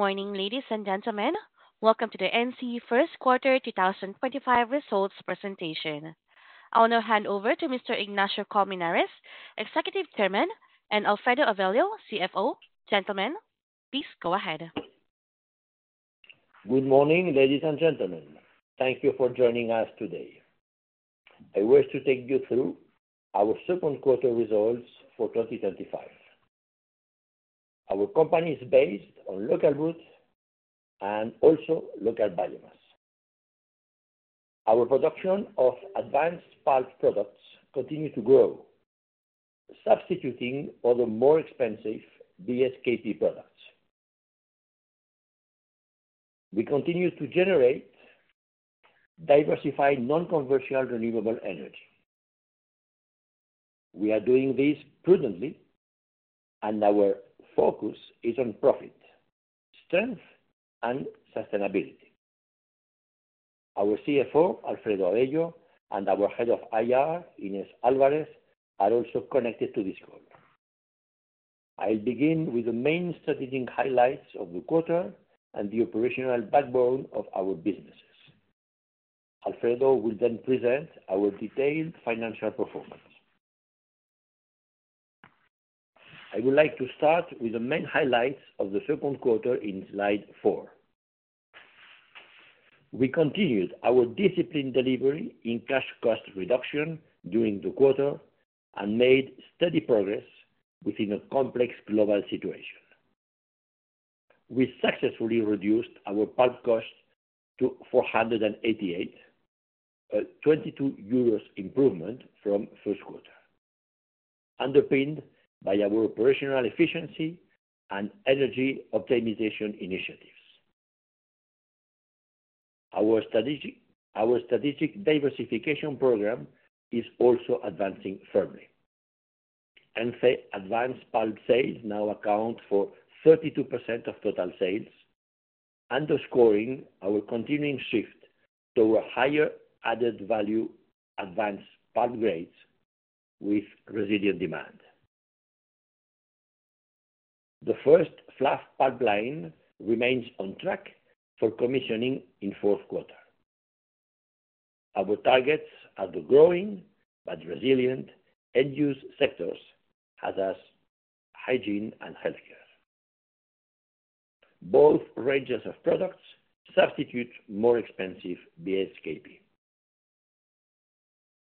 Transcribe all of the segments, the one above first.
Good morning, ladies and gentlemen. Welcome to the ENCE Energía y Celulosa First Quarter 2025 Results Presentation. I want to hand over to Mr. Ignacio de Colmenares Brunet, Executive Chairman, and Alfredo Avello de la Peña, CFO. Gentlemen, please go ahead. Good morning, ladies and gentlemen. Thank you for joining us today. I wish to take you through our second quarter results for 2025. Our company is based on local goods and also local values. Our production of advanced products continues to grow, substituting for the more expensive BSKP products. We continue to generate diversified non-commercial renewable energy. We are doing this prudently, and our focus is on profit, strength, and sustainability. Our CFO, Alfredo Avello de la Peña, and our Head of Investor Relations, Inés Álvarez, are also connected to this call. I'll begin with the main strategic highlights of the quarter and the operational backbone of our businesses. Alfredo will then present our detailed financial performance. I would like to start with the main highlights of the second quarter in slide four. We continued our disciplined delivery in cash cost reduction during the quarter and made steady progress within a complex global situation. We successfully reduced our pulp cost to 488, a 22 euros improvement from the first quarter, underpinned by our operational efficiency and energy optimization initiatives. Our strategic diversification program is also advancing firmly. ENCE’s advanced pulp sales now account for 32% of total sales, underscoring our continuing shift toward higher added value advanced pulp grades with resilient demand. The first fluff pulp line remains on track for commissioning in the fourth quarter. Our targets are the growing but resilient end-use sectors, such as hygiene and healthcare. Both ranges of products substitute more expensive BSKP.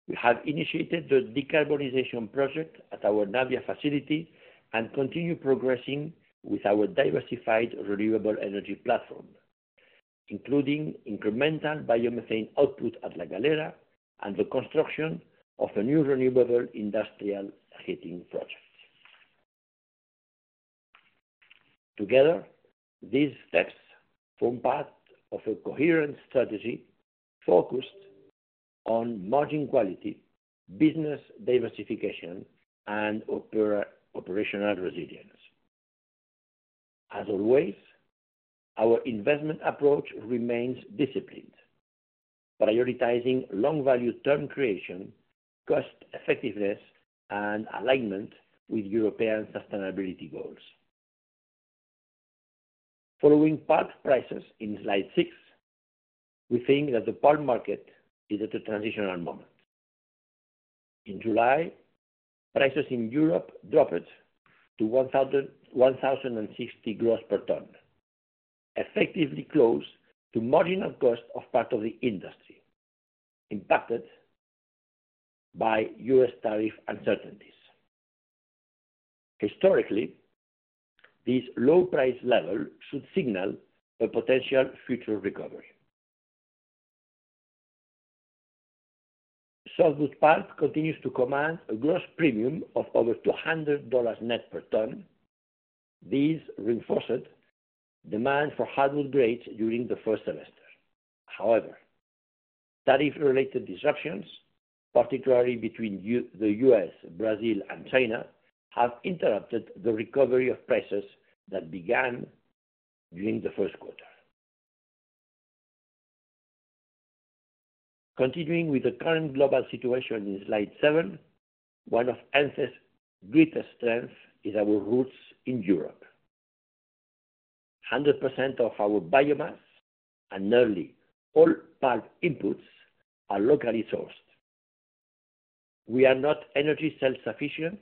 We have initiated the decarbonization project at our Navia facility and continue progressing with our diversified renewable energy platform, including incremental biomethane output at La Galera and the construction of a new renewable industrial heating project. Together, these steps form part of a coherent strategy focused on margin quality, business diversification, and operational resilience. As always, our investment approach remains disciplined, prioritizing long-term value creation, cost effectiveness, and alignment with European sustainability goals. Following pulp prices in slide six, we think that the pulp market is at a transitional moment. In July, prices in Europe dropped to 1,060 gross per ton, effectively close to marginal costs of part of the industry, impacted by U.S. tariff uncertainties. Historically, this low price level should signal a potential future recovery. Southwood Path continues to command a gross premium of over $200 net per ton. This reinforces demand for hardwood grades during the first semester. However, tariff-related disruptions, particularly between the U.S., Brazil, and China, have interrupted the recovery of prices that began during the first quarter. Continuing with the current global situation in slide seven, one of ENCE Energía y Celulosa's greatest strengths is our roots in Europe. 100% of our biomass and nearly all pulp inputs are locally sourced. We are not only energy self-sufficient,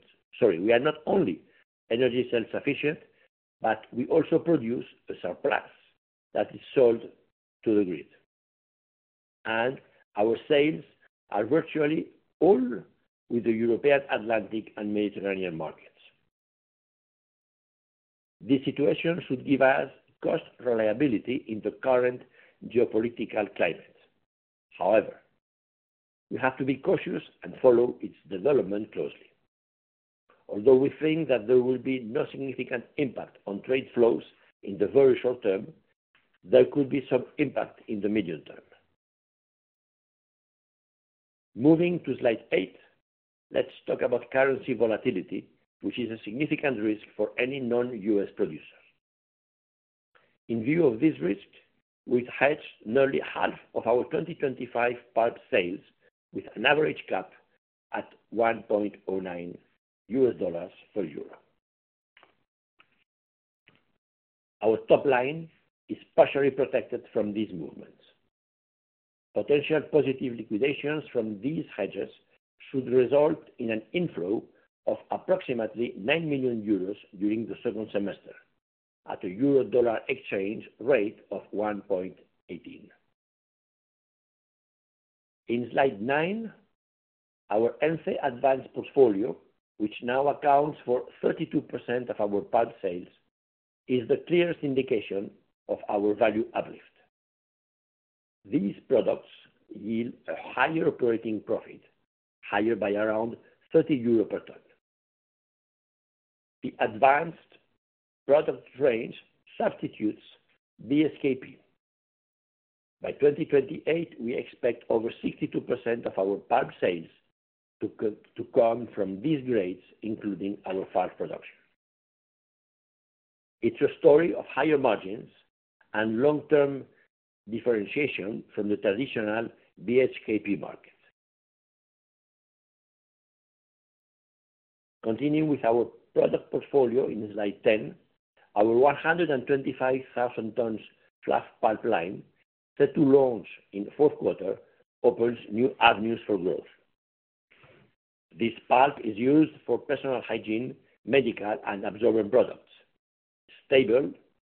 but we also produce a surplus that is sold to the grid. Our sales are virtually all with the European Atlantic and Mediterranean markets. This situation should give us cost reliability in the current geopolitical climate. However, we have to be cautious and follow its development closely. Although we think that there will be no significant impact on trade flows in the very short term, there could be some impact in the medium term. Moving to slide eight, let's talk about currency volatility, which is a significant risk for any non-U.S. producer. In view of this risk, we've hedged nearly half of our 2025 pulp sales with an average cap at $1.09 per Euro. Our top line is partially protected from these movements. Potential positive liquidations from these hedges should result in an inflow of approximately 9 million euros during the second semester at a euro-dollar exchange rate of 1.18. In slide nine, our ENCE advanced portfolio, which now accounts for 32% of our pulp sales, is the clearest indication of our value uplift. These products yield a higher operating profit, higher by around $30 per ton. The advanced product range substitutes BSKP. By 2028, we expect over 62% of our pulp sales to come from these grades, including our farm production. It's a story of higher margins and long-term differentiation from the traditional BHKP market. Continuing with our product portfolio in slide 10, our 125,000 tons fluff pulp line set to launch in the fourth quarter opens new avenues for growth. This pulp is used for personal hygiene, medical, and absorbent products. Stable,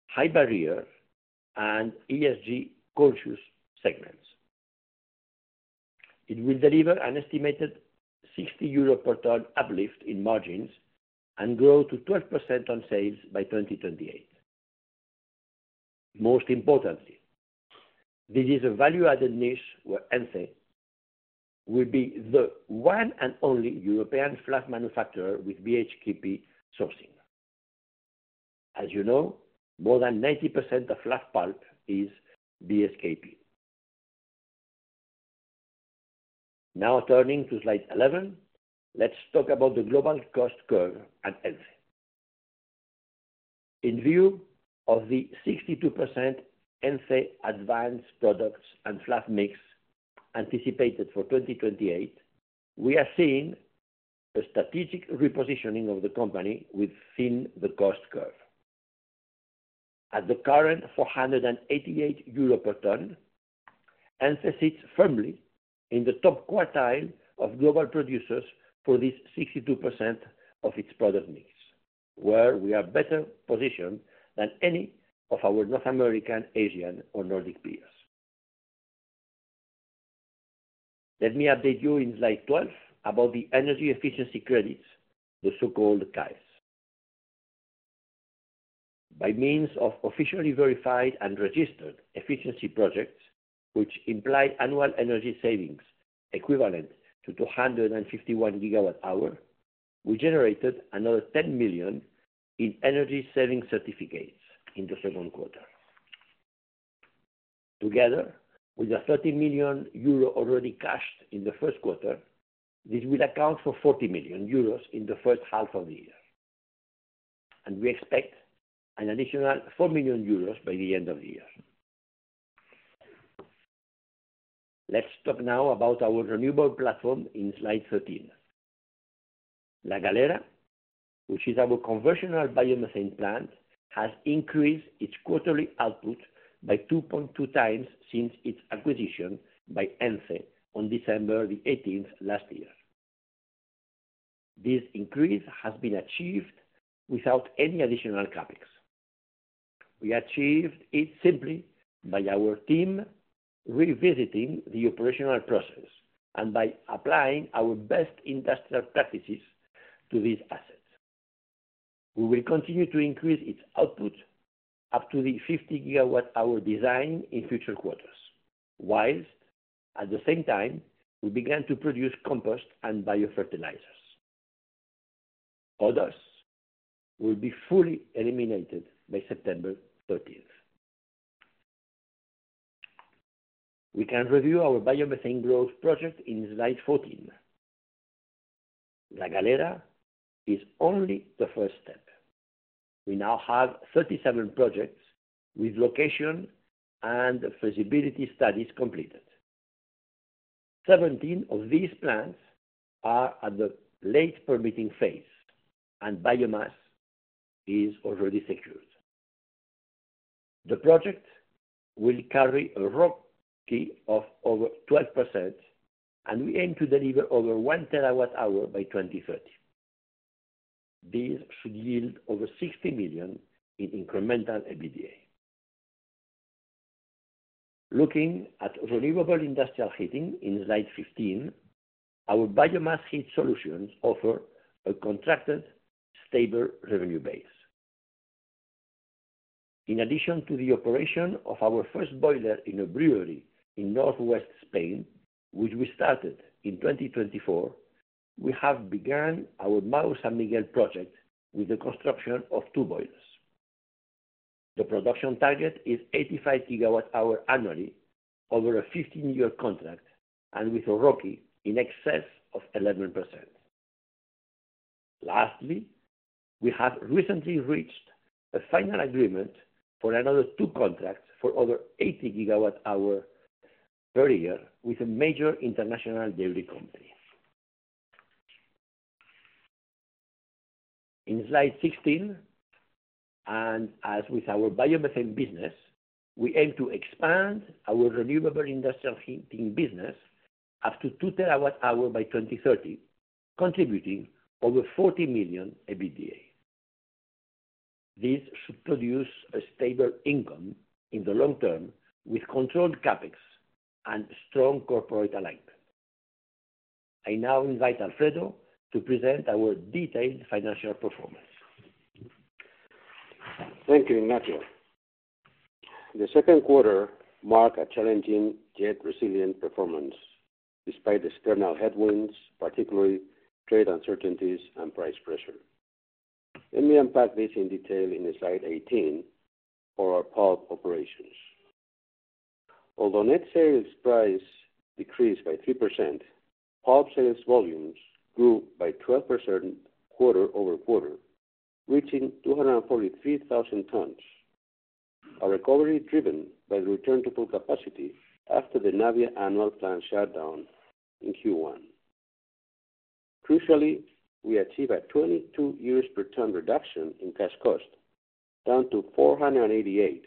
high barrier, and ESG conscious segments. It will deliver an estimated 60 euro per ton uplift in margins and grow to 12% on sales by 2028. Most importantly, this is a value-added niche where ENCE will be the one and only European flood manufacturer with BHKP sourcing. As you know, more than 90% of fluff pulp is BSKP. Now turning to slide 11, let's talk about the global cost curve at ENCE. In view of the 62% ENCE advanced products and flood mix anticipated for 2028, we are seeing a strategic repositioning of the company within the cost curve. At the current 488 euro per ton, ENCE sits firmly in the top quartile of global producers for this 62% of its product mix, where we are better positioned than any of our North American, Asian, or Nordic peers. Let me update you in slide 12 about the energy efficiency credits, the so-called CAEs. By means of officially verified and registered efficiency projects, which implied annual energy savings equivalent to 251 GWh, we generated another 10 million in energy savings certificates in the second quarter. Together with the 30 million euro already cashed in the first quarter, this will account for 40 million euros in the first half of the year. We expect an additionalEUR 4 million by the end of the year. Let's talk now about our renewable platform in slide 13. La Galera, which is our conventional biomethane plant, has increased its quarterly output by 2.2x since its acquisition by ENCE on December 18, 2023. This increase has been achieved without any additional CapEx. We achieved it simply by our team revisiting the operational process and by applying our best industrial practices to these assets. We will continue to increase its output up to the 50 GWh design in future quarters, whilst at the same time, we began to produce compost and biofertilizers. Others will be fully eliminated by September 30. We can review our biomethane growth project in slide 14. La Galera is only the first step. We now have 37 projects with location and feasibility studies completed. 17 of these plants are at the late permitting phase, and biomass is already secured. The project will carry a ROCE key of over 12%, and we aim to deliver over 1 TWh by 2030. These should yield over 60 million in incremental EBITDA. Looking at renewable industrial heating in slide 15, our biomass heat solutions offer a contracted stable revenue base. In addition to the operation of our first boiler in a brewery in northwest Spain, which we started in 2024, we have begun our Monte San Miguel project with the construction of two boilers. The production target is 85 GWh annually, over a 15-year contract, and with a ROCE in excess of 11%. Lastly, we have recently reached a final agreement for another two contracts for over 80 GWhs per year with a major international dairy company. In slide 16, and as with our biomethane business, we aim to expand our renewable industrial heating business up to 2 TWhs by 2030, contributing over 40 million EBITDA. This should produce a stable income in the long term with controlled CapEx and strong corporate alignment. I now invite Alfredo to present our detailed financial performance. Thank you, Ignacio. The second quarter marked a challenging yet resilient performance despite external headwinds, particularly trade uncertainties and price pressure. Let me unpack this in detail in slide 18 for our pulp operations. Although net sales price decreased by 3%, pulp sales volumes grew by 12% quarter-over-quarter, reaching 243,000 tons, a recovery driven by the return to full capacity after the Navia annual plant shutdown in Q1. Crucially, we achieved a 22 per ton reduction in cash cost, down to 488,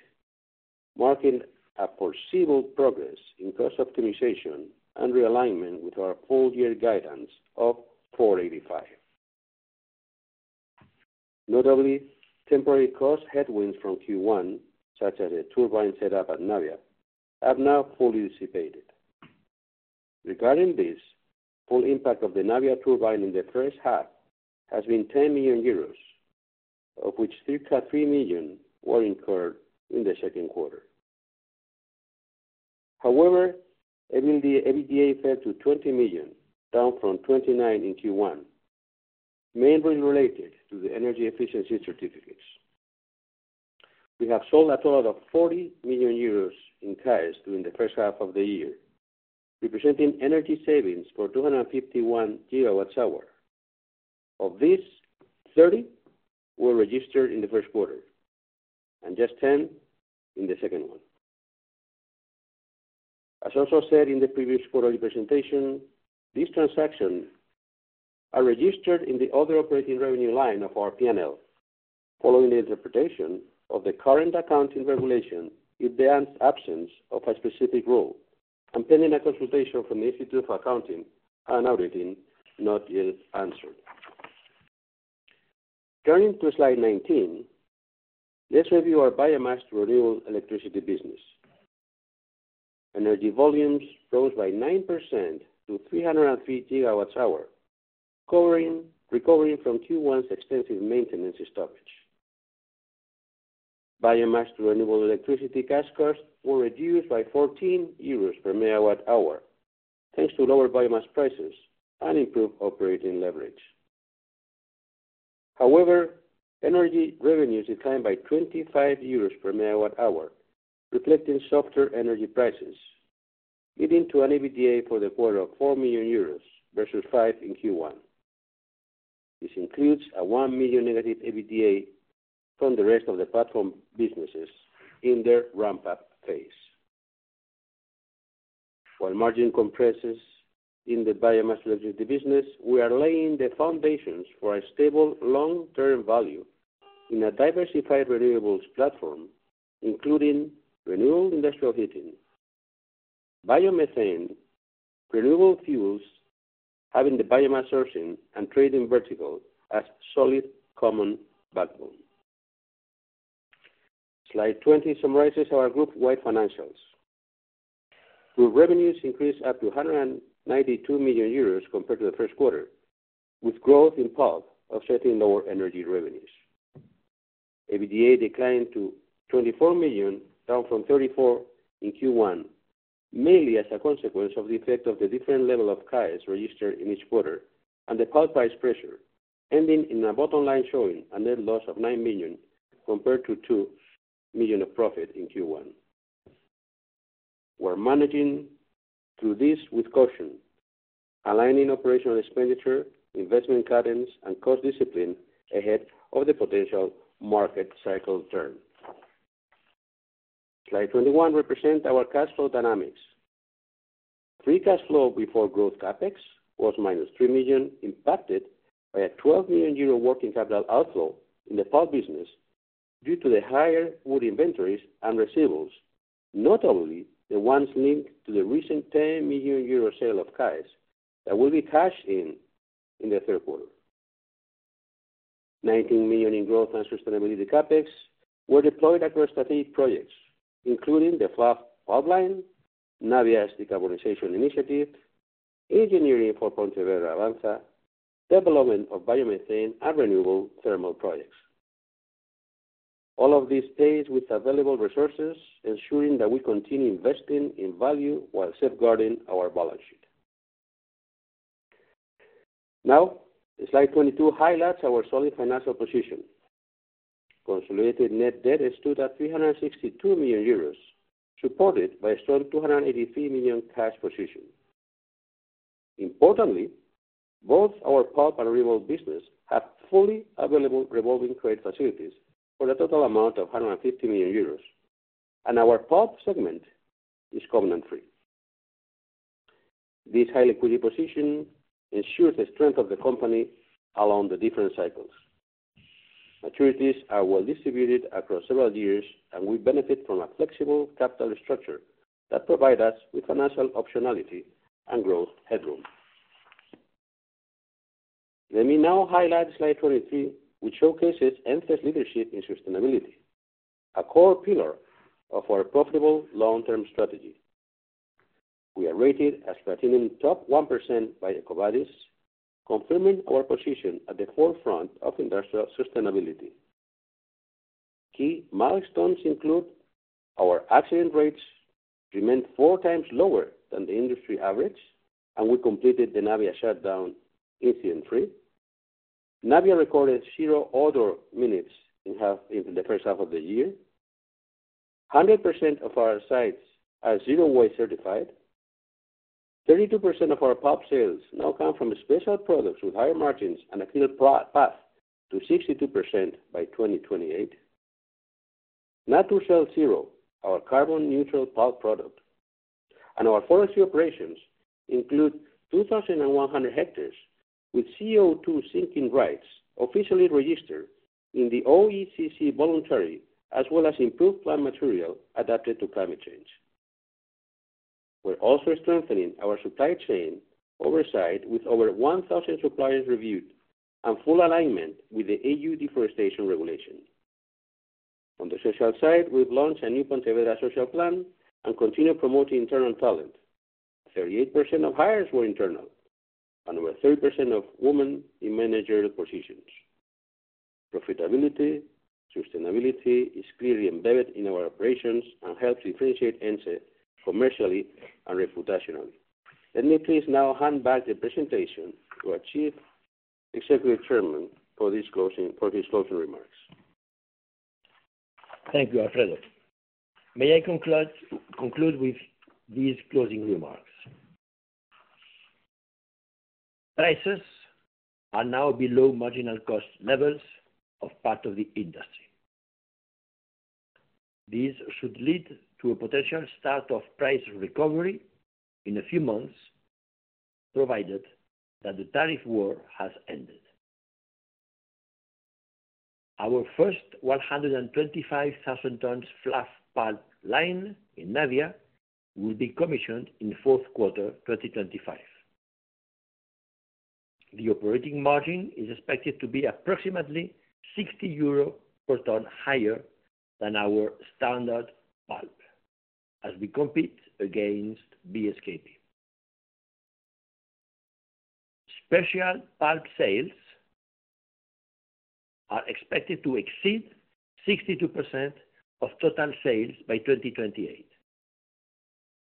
marking a foreseeable progress in cost optimization and realignment with our whole year guidance of 485. Notably, temporary cost headwinds from Q1, such as a turbine setup at Navia, have now fully dissipated. Regarding this, the full impact of the Navia turbine in the first half has been 10 million euros, of which 3.3 million were incurred in the second quarter. However, EBITDA fell to 20 million, down from 29 million in Q1, mainly related to the energy efficiency certificates. We have sold a total 40 million euros in CAEs during the first half of the year, representing energy savings for 251 GWhs. Of this, 30 million were registered in the first quarter and just 10 million in the second one. As also said in the previous quarterly presentation, these transactions are registered in the other operating revenue line of our P&L, following the interpretation of the current accounting regulation in the absence of a specific rule, and pending a consultation from the Institute of Accounting and Auditing not yet answered. Turning to slide 19, let's review our biomass renewable electricity business. Energy volumes rose by 9% to 303 GWhs, recovering from Q1's extensive maintenance and storage. Biomass to renewable electricity cash costs were reduced by 14 euros per MWh, thanks to lower biomass prices and improved operating leverage. However, energy revenues declined by 25 euros per MWh, reflecting softer energy prices, leading to an EBITDA for the quarter of 4 million euros versus 5 million in Q1. This includes a 1 million negative EBITDA from the rest of the platform businesses in their ramp-up phase. While margin compresses in the biomass electricity business, we are laying the foundations for stable long-term value in a diversified renewables platform, including renewable industrial heating, biomethane, renewable fuels, having the biomass sourcing and trading vertical as a solid common backbone. Slide 20 summarizes our group-wide financials. Group revenues increased up to 192 million euros compared to the first quarter, with growth in pulp offsetting lower energy revenues. EBITDA declined to 24 million, down from 34 million in Q1, mainly as a consequence of the effect of the different level of CAEs registered in each quarter and the pulp price pressure, ending in a bottom line showing a net loss of 9 million compared to 2 million of profit in Q1. We're managing through this with caution, aligning operational expenditure, investment curtains, and cost discipline ahead of the potential market cycle turn. Slide 21 represents our cash flow dynamics. Free cash flow before growth CapEx was -3 million, impacted by a 12 million euro working capital outflow in the pulp business due to the higher wood inventories and receivables, notably the ones linked to the recent 10 million euro sale of CAEs that will be cashed in in the third quarter. 19 million in growth and sustainability CapEx were deployed across the three projects, including the fluff pulp line, Navia's decarbonization initiative, engineering for Pontevedra Avanza, development of biomethane and renewable thermal projects. All of this stays with available resources, ensuring that we continue investing in value while safeguarding our balance sheet. Now, slide 22 highlights our solid financial position. Consolidated net debt stood at 362 million euros, supported by a strong 283 million cash position. Importantly, both our pulp and renewable business have fully available revolving credit facilities for a total amount of 150 million euros, and our pulp segment is covenant-free. This high liquidity position ensures the strength of the company along the different cycles. Maturities are well distributed across several years, and we benefit from a flexible capital structure that provides us with financial optionality and growth headroom. Let me now highlight slide 23, which showcases ENCE Energía y Celulosa's leadership in sustainability, a core pillar of our profitable long-term strategy. We are rated as Platinum Top 1% by EcoVadis, confirming our position at the forefront of industrial sustainability. Key milestones include our accident rates remaining 4x lower than the industry average, and we completed the Navia shutdown incident-free. Navia recorded zero odor minutes in the first half of the year. 100% of our sites are zero-waste certified. 32% of our pulp sales now come from special products with higher margins and a clear path to 62% by 2028. Nacar Cel Zero, our carbon-neutral pulp product, and our forestry operations include 2,100 hectares with CO2 sinking rights officially registered in the OECC voluntary, as well as improved plant material adapted to climate change. We're also strengthening our supply chain oversight with over 1,000 suppliers reviewed and full alignment with the EU deforestation regulation. On the social side, we've launched a new Pontevedra social plan and continue promoting internal talent. 38% of hires were internal, and over 30% of women in manager positions. Profitability, sustainability is clearly embedded in our operations and helps differentiate ENCE Energía y Celulosa commercially and reputationally. Let me please now hand back the presentation to our Executive Chairman for his closing remarks. Thank you, Alfredo. May I conclude with these closing remarks? Prices are now below marginal cost levels of part of the industry. This should lead to a potential start of price recovery in a few months, provided that the tariff war has ended. Our first 125,000 tons fluff pulp line in Navia will be commissioned in the fourth quarter 2025. The operating margin is expected to be approximately 60 euros per ton higher than our standard pulp, as we compete against BSKP. Special pulp sales are expected to exceed 62% of total sales by 2028.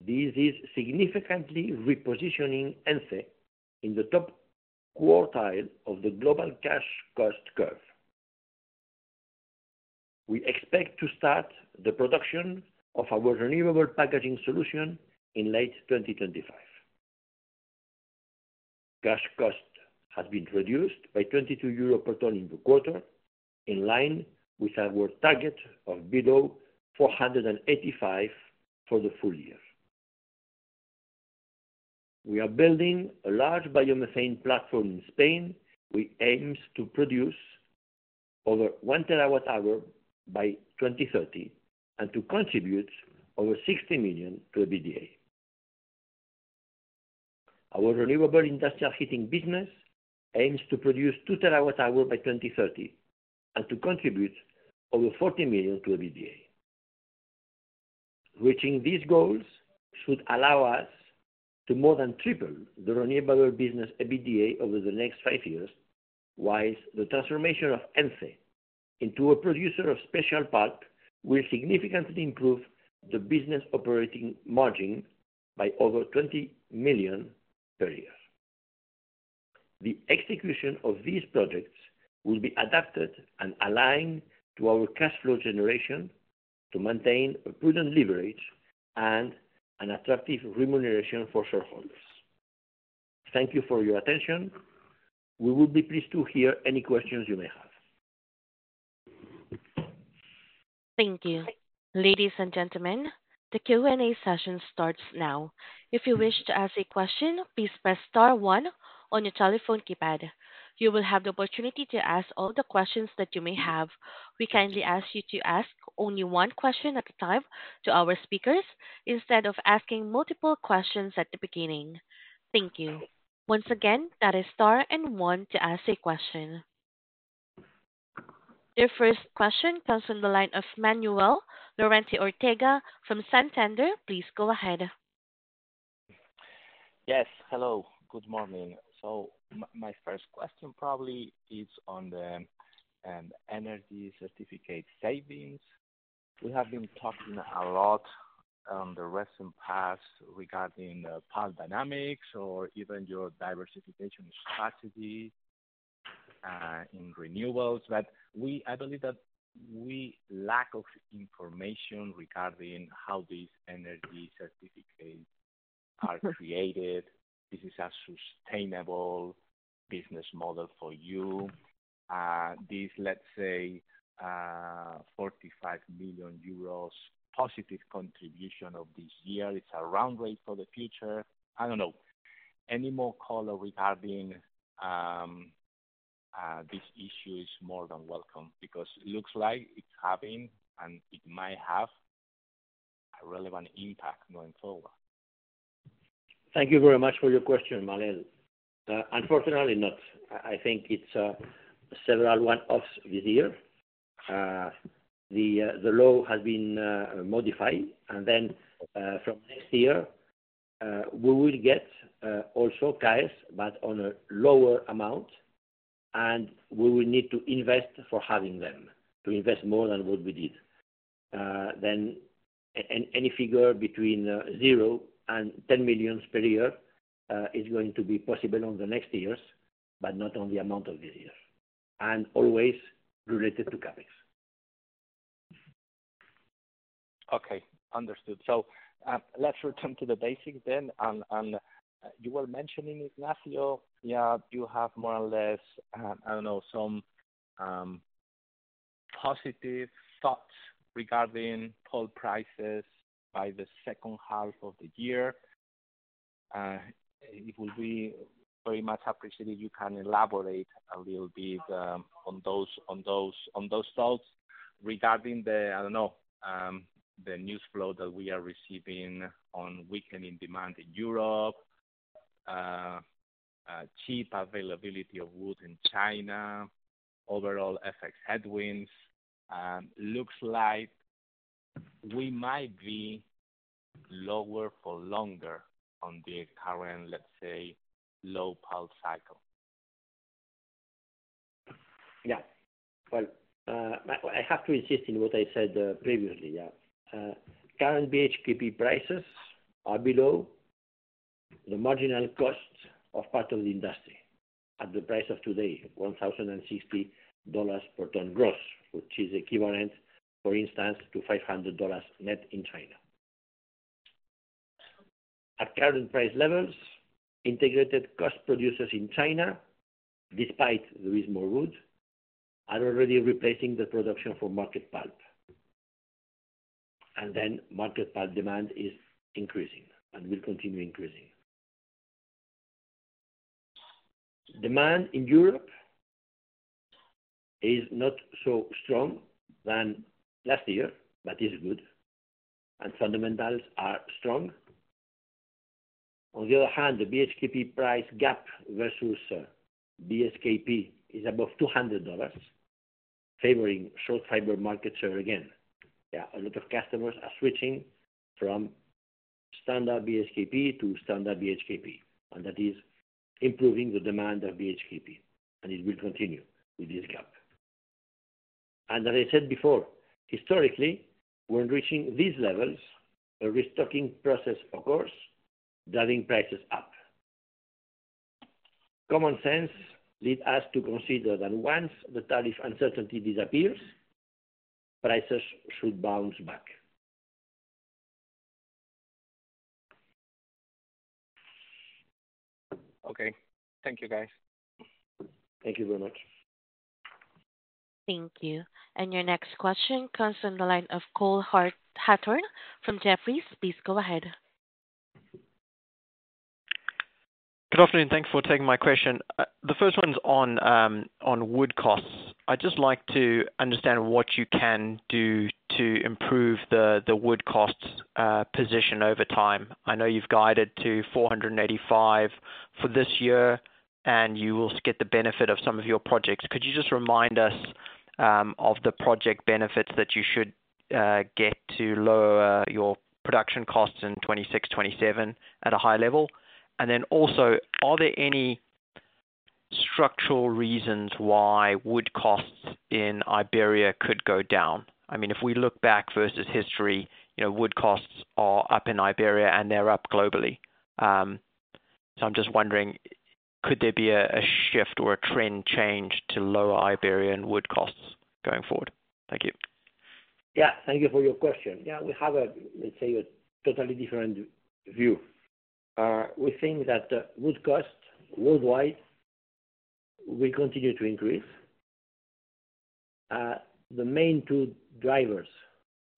This is significantly repositioning ENCE in the top quartile of the global cash cost curve. We expect to start the production of our renewable packaging solution in late 2025. Cash cost has been reduced by 22 euros per ton in the quarter, in line with our target of belowEUR 485 for the full year. We are building a large biomethane platform in Spain which aims to produce over 1TWh by 2030 and to contribute over 60 million to EBITDA. Our renewable industrial heating business aims to produce 2TWh by 2030 and to contribute over 40 million to EBITDA. Reaching these goals should allow us to more than triple the renewable business EBITDA over the next five years, whilst the transformation of ENCE into a producer of special pulp will significantly improve the business operating margin by over 20 million per year. The execution of these projects will be adapted and aligned to our cash flow generation to maintain a prudent leverage and an attractive remuneration for shareholders. Thank you for your attention. We will be pleased to hear any questions you may have. Thank you. Ladies and gentlemen, the Q&A session starts now. If you wish to ask a question, please press star one on your telephone keypad. You will have the opportunity to ask all the questions that you may have. We kindly ask you to ask only one question at a time to our speakers instead of asking multiple questions at the beginning. Thank you. Once again, that is star and one to ask a question. The first question comes from the line of Manuel Lorente Ortega from Santander. Please go ahead. Yes. Hello. Good morning. My first question probably is on the energy certificate savings. We have been talking a lot in the recent past regarding the pulp dynamics or even your diversification strategy in renewables, but I believe that we lack information regarding how these energy certificates are created. This is a sustainable business model for you. This, let's say, 45 million euros positive contribution of this year, is a round rate for the future. I don't know. Any more color regarding this issue is more than welcome because it looks like it's having and it might have a relevant impact going forward. Thank you very much for your question, Manuel. Unfortunately, not. I think it's several one-offs this year. The law has been modified, and from next year, we will get also CAEs, but on a lower amount, and we will need to invest for having them, to invest more than what we did. Any figure between €0 and €10 million per year is going to be possible in the next years, but not on the amount of this year, and always related to CapEx. Okay. Understood. Let's return to the basics then. You were mentioning, Ignacio, you have more or less, I don't know, some positive thoughts regarding pulp prices by the second half of the year. It will be very much appreciated if you can elaborate a little bit on those thoughts regarding the, I don't know, the news flow that we are receiving on weakening demand in Europe, cheap availability of wood in China, overall FX headwinds. Looks like we might be lower for longer on the current, let's say, low pulp cycle. Yeah. I have to insist in what I said previously. Current BHKP prices are below the marginal cost of part of the industry. At the price of today, $1,060 per ton gross, which is equivalent, for instance, to $500 net in China. At current price levels, integrated cost producers in China, despite there is more wood, are already replacing the production for market pulp, and market pulp demand is increasing and will continue increasing. Demand in Europe is not so strong than last year, but it's good, and fundamentals are strong. On the other hand, the BHKP price gap versus BSKP is above $200, favoring short fiber market share again. A lot of customers are switching from standard BSKP to standard BHKP, and that is improving the demand of BHKP, and it will continue with this gap. As I said before, historically, when reaching these levels, a restocking process occurs, driving prices up. Common sense led us to consider that once the tariff uncertainty disappears, prices should bounce back. Okay. Thank you, guys. Thank you very much. Thank you. Your next question comes from the line of Cole Hathorn from Jefferies. Please go ahead. Good afternoon. Thank you for taking my question. The first one's on wood costs. I'd just like to understand what you can do to improve the wood costs position over time. I know you've guided to 485 for this year, and you will get the benefit of some of your projects. Could you just remind us of the project benefits that you should get to lower your production costs in 2026, 2027 at a high level? Also, are there any structural reasons why wood costs in Iberia could go down? If we look back versus history, you know, wood costs are up in Iberia and they're up globally. I'm just wondering, could there be a shift or a trend change to lower Iberian wood costs going forward? Thank you. Thank you for your question. We have a, let's say, a totally different view. We think that wood costs worldwide will continue to increase. The main two drivers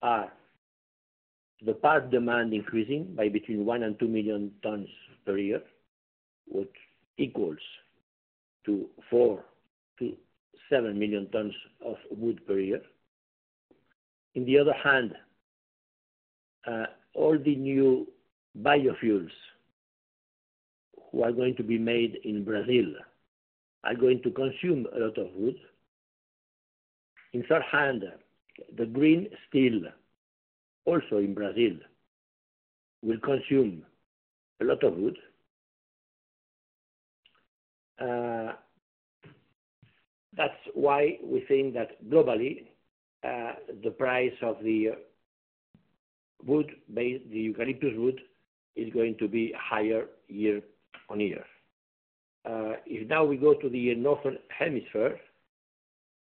are the pulp demand increasing by between 1 million and 2 million tons per year, which equals 4 million- 7 million tons of wood per year. On the other hand, all the new biofuels that are going to be made in Brazil are going to consume a lot of wood. In the third hand, the green steel also in Brazil will consume a lot of wood. That's why we think that globally, the price of the wood, the eucalyptus wood, is going to be higher year-on-year. If now we go to the northern hemisphere,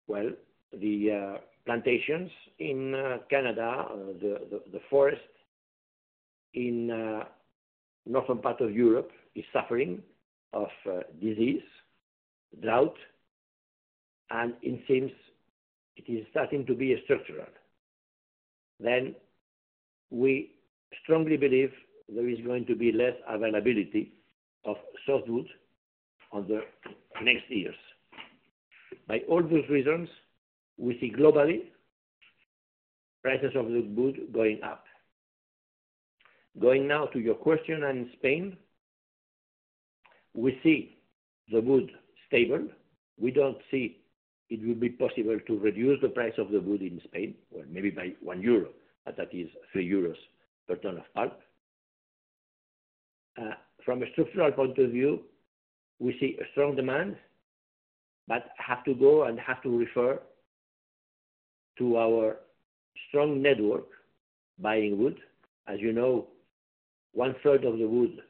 the plantations in Canada, the forest in the northern part of Europe is suffering from disease, drought, and it seems it is starting to be structural. We strongly believe there is going to be less availability of softwood in the next years. By all those reasons, we see globally prices of the wood going up. Going now to your question in Spain, we see the wood stable. We don't see it will be possible to reduce the price of the wood in Spain, maybe by 1 euro, but that is 3 euros per ton of pulp. From a structural point of view, we see a strong demand, but I have to go and have to refer to our strong network buying wood. As you know, one-third of the wood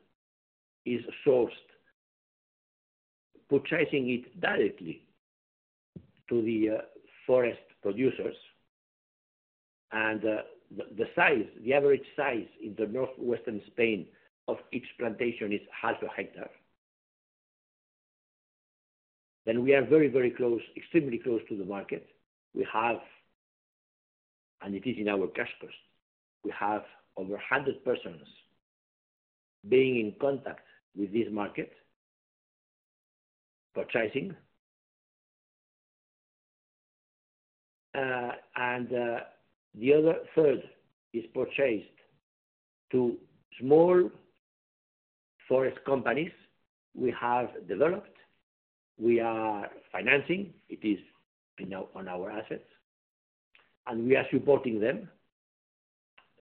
is sourced, purchasing it directly to the forest producers, and the size, the average size in the northwestern Spain of each plantation is half a hectare. We are very, very close, extremely close to the market. We have, and it is in our cash cost. We have over 100 persons being in contact with this market, purchasing, and the other 1/3 is purchased to small forest companies we have developed. We are financing. It is on our assets, and we are supporting them.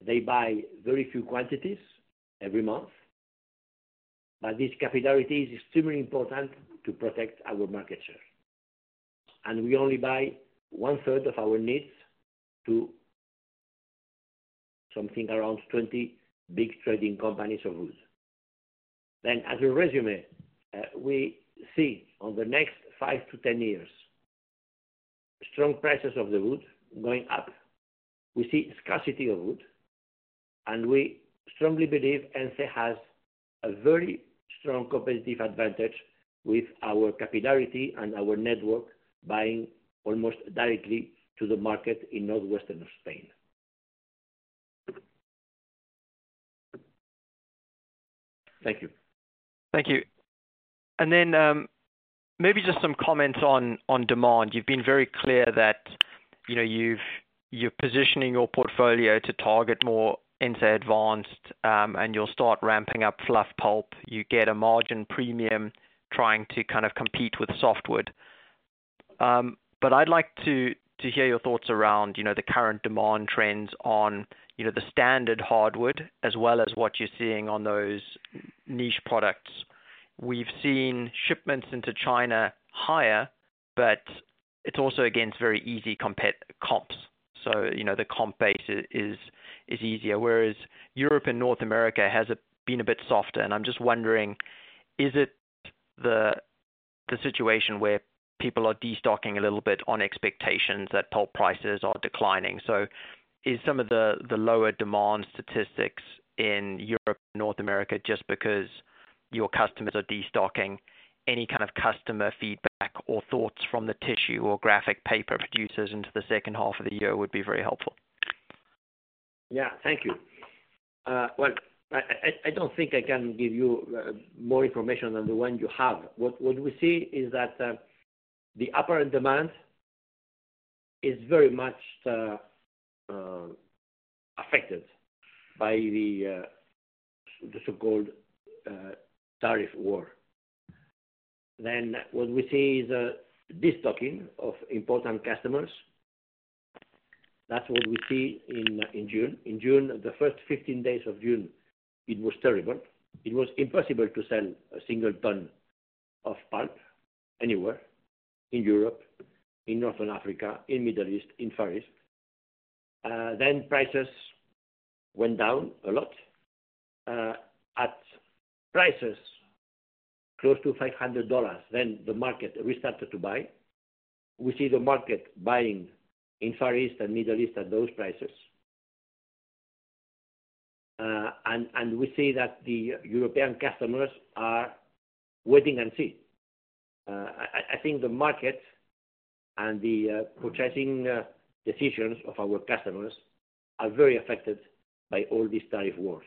They buy very few quantities every month, but this capability is extremely important to protect our market share. We only buy 1/3 of our needs to something around 20 big trading companies of wood. As a resume, we see on the next 5 years-10 years, strong prices of the wood going up. We see scarcity of wood, and we strongly believe ENCE Energía y Celulosa has a very strong competitive advantage with our capability and our network buying almost directly to the market in the northwestern Spain. Thank you. Thank you. Maybe just some comments on demand. You've been very clear that you know you're positioning your portfolio to target more ENCE advanced, and you'll start ramping up fluff pulp. You get a margin premium trying to kind of compete with softwood. I'd like to hear your thoughts around the current demand trends on the standard hardwood, as well as what you're seeing on those niche products. We've seen shipments into China higher, but it's also, again, very easy comps. The comp base is easier, whereas Europe and North America have been a bit softer. I'm just wondering, is it the situation where people are destocking a little bit on expectations that pulp prices are declining? Is some of the lower demand statistics in Europe and North America just because your customers are destocking? Any kind of customer feedback or thoughts from the tissue or graphic paper producers into the second half of the year would be very helpful. Thank you. I don't think I can give you more information than the one you have. What we see is that the apparent demand is very much affected by the so-called tariff war. What we see is destocking of important customers. That's what we see in June. In June, the first 15 days of June, it was terrible. It was impossible to sell a single ton of pulp anywhere in Europe, in Northern Africa, in the Middle East, in the Far East. Prices went down a lot. At prices close to $500, the market restarted to buy. We see the market buying in the Far East and the Middle East at those prices. We see that the European customers are waiting and seeing. I think the market and the purchasing decisions of our customers are very affected by all this tariff war.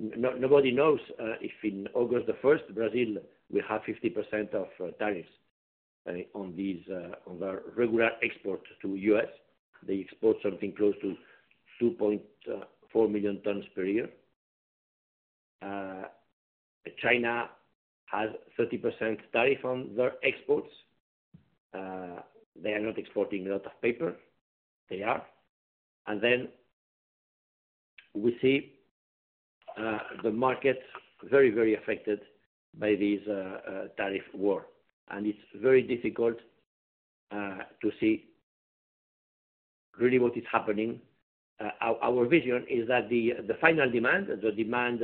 Nobody knows if on August 1, Brazil will have 50% of tariffs on their regular export to the U.S. They export something close to 2.4 million tons per year. China has 30% tariff on their exports. They are not exporting a lot of paper. They are. We see the market very, very affected by this tariff war. It's very difficult to see really what is happening. Our vision is that the final demand, the demand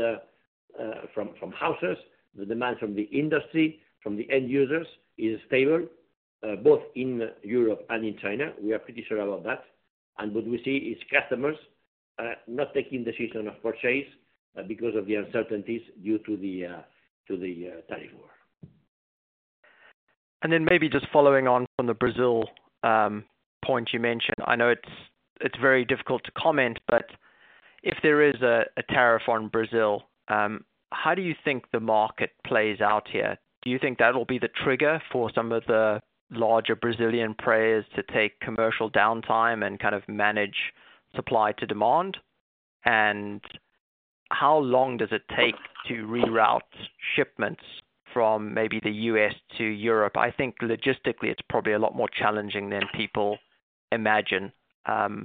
from houses, the demand from the industry, from the end users is stable, both in Europe and in China. We are pretty sure about that. What we see is customers not taking decisions of purchase because of the uncertainties due to the tariff war. Maybe just following on from the Brazil point you mentioned. I know it's very difficult to comment, but if there is a tariff on Brazil, how do you think the market plays out here? Do you think that will be the trigger for some of the larger Brazilian players to take commercial downtime and kind of manage supply to demand? How long does it take to reroute shipments from maybe the U.S. to Europe? I think logistically, it's probably a lot more challenging than people imagine to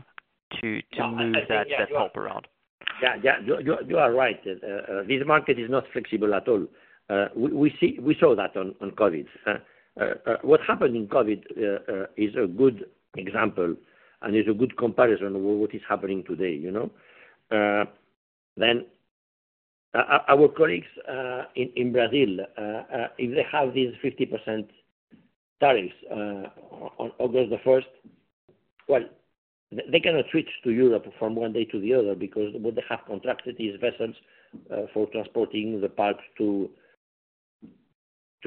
move that pulp around. Yeah. You are right. This market is not flexible at all. We saw that on COVID. What happened in COVID is a good example and is a good comparison with what is happening today. Our colleagues in Brazil, if they have these 50% tariffs on August 1, they cannot switch to Europe from one day to the other because what they have contracted is vessels for transporting the pulp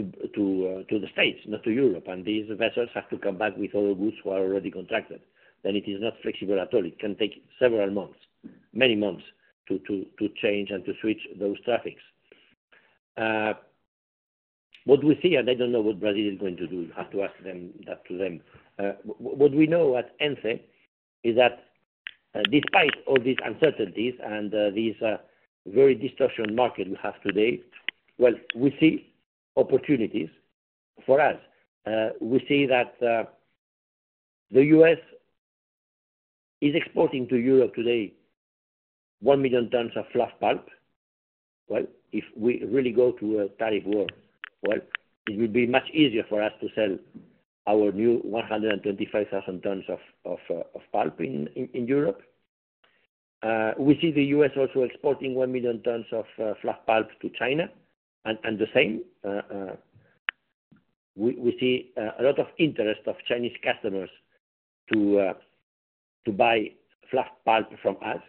to the U.S., not to Europe. These vessels have to come back with all the goods that are already contracted. It is not flexible at all. It can take several months, many months to change and to switch those traffics. What we see, and I don't know what Brazil is going to do. You have to ask that to them. What we know at ENCE is that despite all these uncertainties and this very distorted market we have today, we see opportunities for us. We see that the U.S. is exporting to Europe today one million tons of fluff pulp. If we really go to a tariff war, it will be much easier for us to sell our new 125,000 tons of pulp in Europe. We see the U.S. also exporting one million tons of fluff pulp to China. The same, we see a lot of interest of Chinese customers to buy fluff pulp from us.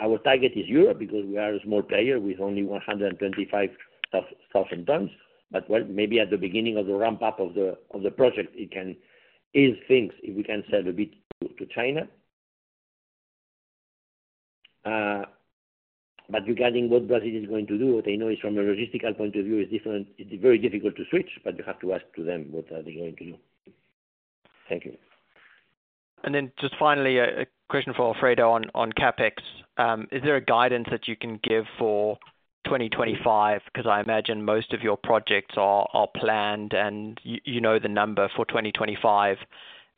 Our target is Europe because we are a small player with only 125,000 tons. Maybe at the beginning of the ramp-up of the project, it can ease things if we can sell a bit to China. Regarding what Brazil is going to do, what I know is from a logistical point of view, it's very difficult to switch, but you have to ask them what they are going to do. Thank you Finally, a question for Alfredo on CapEx. Is there a guidance that you can give for 2025? I imagine most of your projects are planned and you know the number for 2025.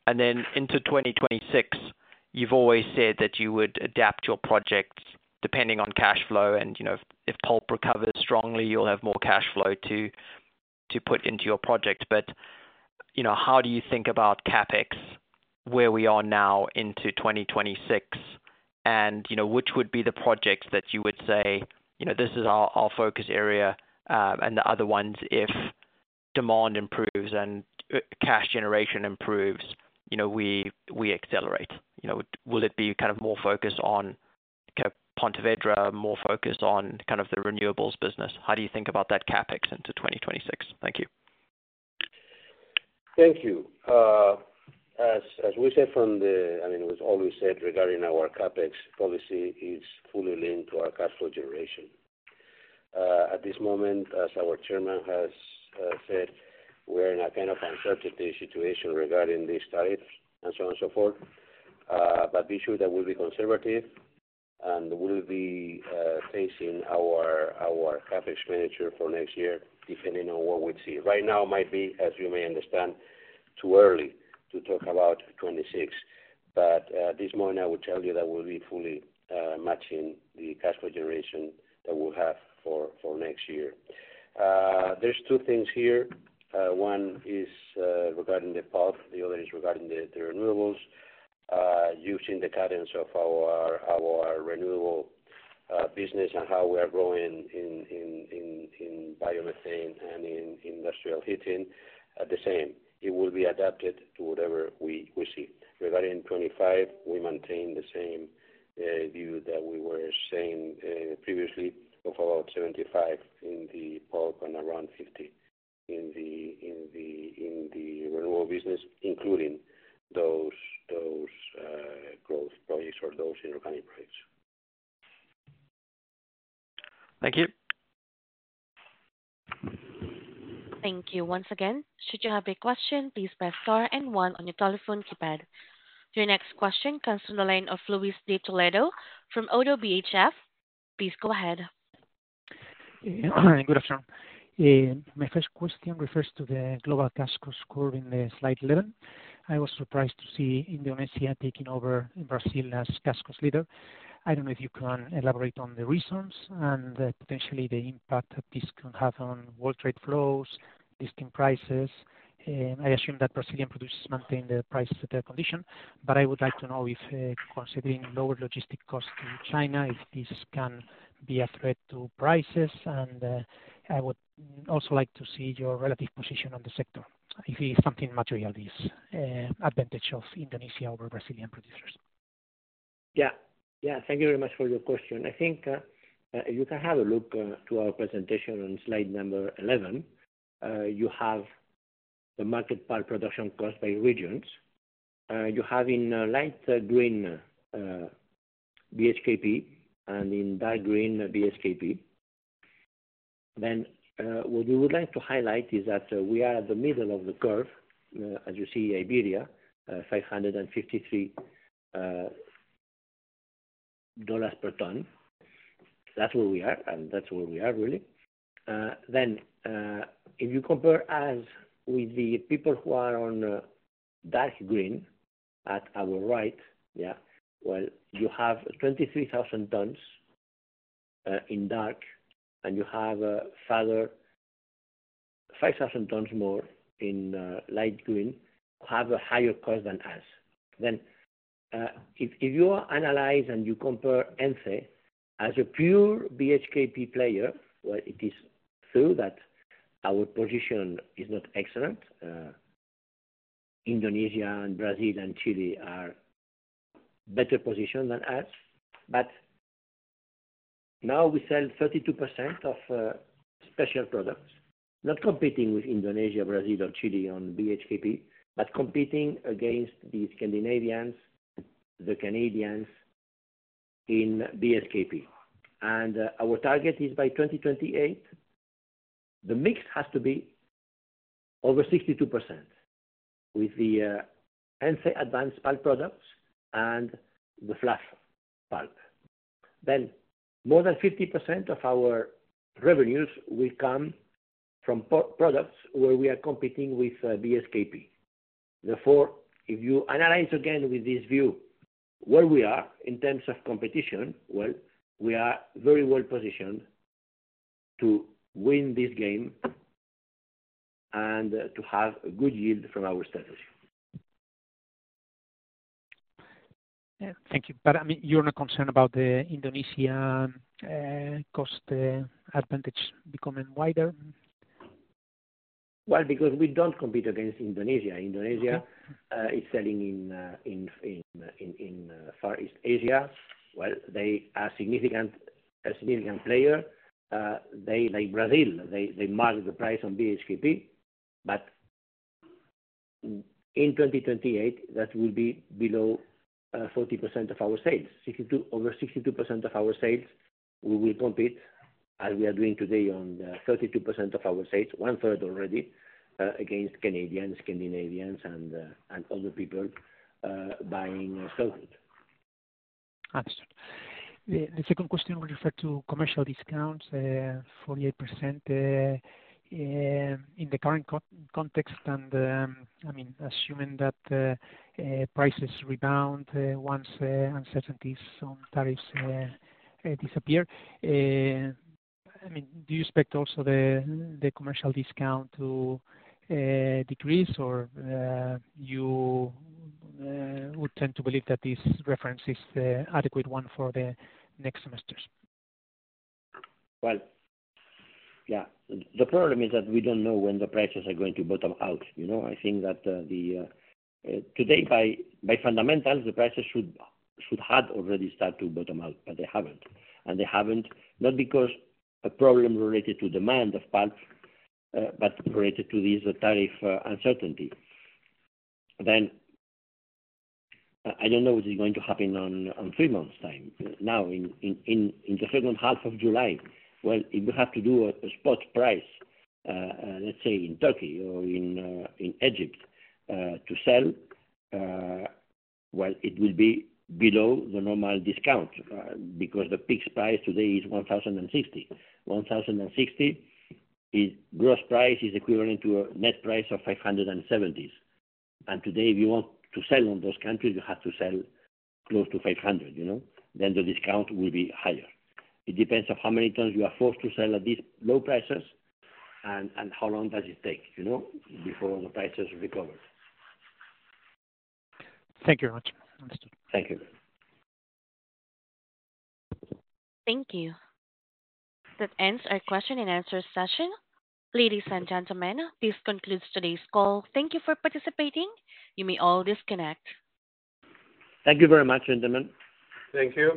Into 2026, you've always said that you would adapt your projects depending on cash flow. If pulp recovers strongly, you'll have more cash flow to put into your project. How do you think about CapEx, where we are now into 2026, and which would be the projects that you would say this is our focus area, and the other ones, if demand improves and cash generation improves, we accelerate? Will it be more focused on Pontevedra, more focused on the renewables business? How do you think about that CapEx into 2026? Thank you. Thank you. As we said from the, I mean, it was always said regarding our CapEx policy, it's fully linked to our cash flow generation. At this moment, as our Chairman has said, we're in a kind of uncertainty situation regarding this tariff and so on and so forth. Be sure that we'll be conservative and we'll be facing our CapEx expenditure for next year, depending on what we see. Right now, it might be, as you may understand, too early to talk about 2026. At this moment, I would tell you that we'll be fully matching the cash flow generation that we'll have for next year. There's two things here. One is regarding the pulp. The other is regarding the renewables. Using the cadence of our renewable business and how we are growing in biomethane and in industrial heating, at the same, it will be adapted to whatever we see. Regarding 2025, we maintain the same view that we were saying previously of about $75 million in the pulp and around $50 million in the renewable business, including those growth projects or those inorganic projects. Thank you. Thank you. Once again, should you have a question, please press star and one on your telephone keypad. Your next question comes from the line of Luis de Toledo from Oddo BHF. Please go ahead. Good afternoon. My first question refers to the global cash cost curve in slide 11. I was surprised to see Indonesia taking over Brazil as cash cost leader. I don't know if you can elaborate on the reasons and potentially the impact that this can have on world trade flows, distinct prices. I assume that Brazilian producers maintain the prices at their condition. I would like to know if considering lower logistic costs to China, if this can be a threat to prices. I would also like to see your relative position on the sector, if something material is an advantage of Indonesia over Brazilian producers. Yeah. Thank you very much for your question. I think if you can have a look to our presentation on slide number 11, you have the market pulp production costs by regions. You have in light green BHKP and in dark green BSKP. What we would like to highlight is that we are at the middle of the curve, as you see Iberia, $553 per ton. That's where we are, and that's where we are, really. If you compare us with the people who are on dark green at our right, you have 23,000 tons in dark, and you have a further 5,000 tons more in light green, have a higher cost than us. If you analyze and you compare ENCE as a pure BHKP player, it is true that our position is not excellent. Indonesia and Brazil and Chile are better positioned than us. Now we sell 32% of special products, not competing with Indonesia, Brazil, or Chile on BHKP, but competing against the Scandinavians, the Canadians in BSKP. Our target is by 2028, the mix has to be over 62% with the ENCE advanced pulp products and the fluff pulp. More than 50% of our revenues will come from products where we are competing with BSKP. Therefore, if you analyze again with this view, where we are in terms of competition, we are very well positioned to win this game and to have a good yield from our strategy. Thank you. I mean, you're not concerned about the Indonesian cost advantage becoming wider? We don't compete against Indonesia. Indonesia is selling in Far East Asia. They are a significant player. They, like Brazil, mark the price on BSKP. In 2028, that will be below 40% of our sales. Over 62% of our sales, we will compete as we are doing today on 32% of our sales, one-third already, against Canadians, Scandinavians, and other people buying softwood. Absolutely. The second question will refer to commercial discounts, 48% in the current context. Assuming that prices rebound once uncertainties on tariffs disappear, do you expect also the commercial discount to decrease, or you would tend to believe that this reference is the adequate one for the next semester? The problem is that we don't know when the prices are going to bottom out. I think that today, by fundamentals, the prices should have already started to bottom out, but they haven't. They haven't, not because of a problem related to demand of pulp, but related to this tariff uncertainty. I don't know what is going to happen in three months' time. In the second half of July, if we have to do a spot price, let's say in Turkey or in Egypt, to sell, it will be below the normal discount because the fixed price today is 1,060. 1,060 gross price is equivalent to a net price of EUR 570s. Today, if you want to sell in those countries, you have to sell close to 500. The discount will be higher. It depends on how many tons you are forced to sell at these low prices and how long it takes before the prices recover. Thank you very much. Understood. Thank you. Thank you. That ends our question and answer session. Ladies and gentlemen, this concludes today's call. Thank you for participating. You may all disconnect. Thank you very much, gentlemen. Thank you.